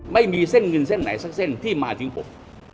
ไม่มีเส้นเงินเส้นไหนสักเส้นที่มาทิ้งผม